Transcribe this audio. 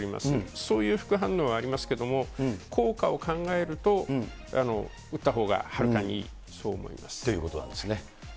そういう副反応はありますけれども、効果を考えると、打ったほうがはるかにいい、そう思います。